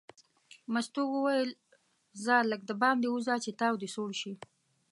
مستو وویل ځه لږ دباندې ووځه چې تاو دې سوړ شي.